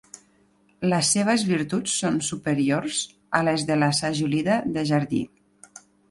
Les seves virtuts són superiors a les de la sajolida de jardí.